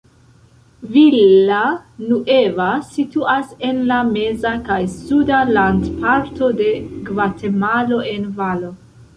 Villa Nueva situas en la meza kaj suda landparto de Gvatemalo en valo.